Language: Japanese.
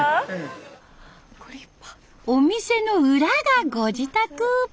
お店の裏がご自宅。